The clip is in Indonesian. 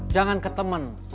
jangan ke temen